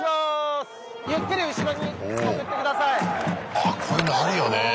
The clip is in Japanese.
あっこういうのあるよね。